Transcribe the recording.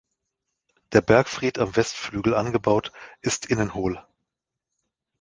Der Bergfried am Westflügel angebaut, ist innen hohl.